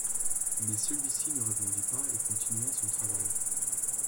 Mais celui-ci ne répondit pas et continua son travail.